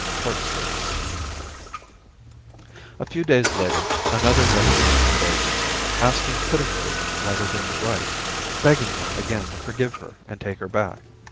' VI A FEW days later another letter came from Daisy, asking pitifully why they didn't write, begging them again to forgive her and take her back.